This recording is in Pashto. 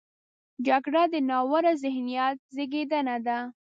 جګړه د ناوړه ذهنیت زیږنده ده